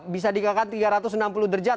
bisa dikakan tiga ratus enam puluh derjat